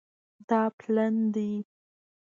دا پلن دی